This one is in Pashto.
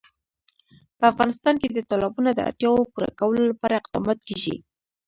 په افغانستان کې د تالابونه د اړتیاوو پوره کولو لپاره اقدامات کېږي.